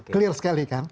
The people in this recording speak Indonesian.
clear sekali kan